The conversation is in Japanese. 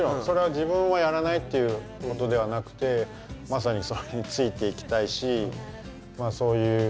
それは自分はやらないっていうことではなくてまさにそれについていきたいしそういう。